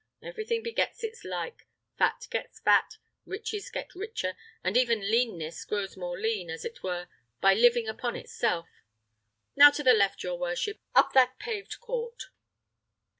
Everything begets its like; fat gets fat, riches get riches, and even leanness grows more lean, as it were, by living upon itself. Now to the left, your worship, up that paved court."